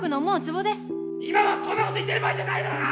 今はそんなこと言ってる場合じゃないだろ！